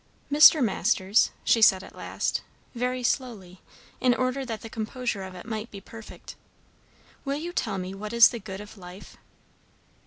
"Mr. Masters," she said at last, very slowly, in order that the composure of it might be perfect, "will you tell me what is the good of life?"